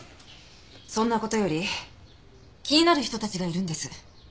そんな事より気になる人たちがいるんです。